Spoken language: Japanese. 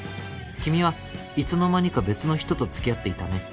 君はいつの間にか別の人と付き合っていたね。